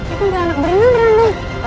itu udah anak beneran nih